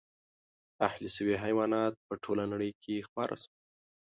اهلي شوي حیوانات په ټولې نړۍ کې خپاره شول.